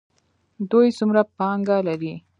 دوی څومره پانګه لري؟